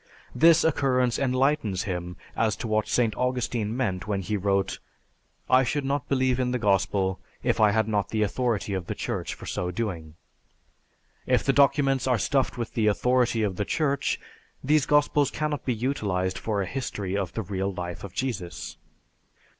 This occurrence enlightens him as to what St. Augustine meant when he wrote, "I should not believe in the Gospel if I had not the authority of the Church for so doing." If the documents are stuffed with the authority of the Church, these Gospels cannot be utilized for a history of the real life of Jesus.